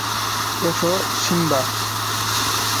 এসো, সিম্বা!